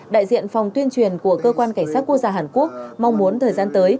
đại diện phòng tuyên truyền của cơ quan cảnh sát quốc gia hàn quốc mong muốn thời gian tới